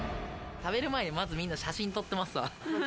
食べる前にまずみんな写真撮ってますわ。